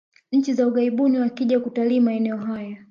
nchi za ughaibuni wakija kutalii maeneo haya